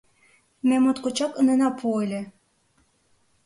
— Ме моткочак ынена пу ыле.